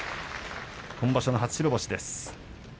今場所の初白星です。